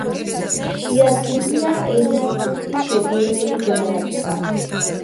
შეადგინა ენა ტუპის პირველი გრამატიკა.